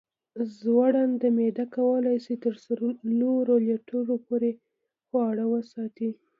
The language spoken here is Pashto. زړوند معدې کولی شي تر څلورو لیټرو پورې خواړه وساتي.